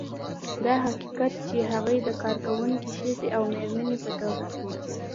دا حقیقت چې هغې د کارکونکې ښځې او مېرمنې په توګه